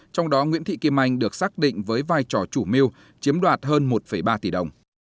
trong đó nguyễn thị kim anh được xác định với vai trò chủ mưu chiếm đoạt hơn một ba tỷ đồng